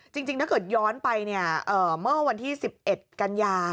จริงถ้าเกิดย้อนไปเมื่อวันที่๑๑กันยา